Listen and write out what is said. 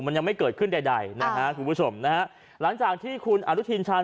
มันยังไม่เกิดขึ้นใดนะคะถูกคชมนะคะหลังจากที่คุณอรุทิญชาย